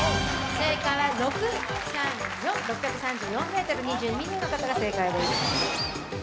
「正解は６３４ｍ、２２人の方が正解です。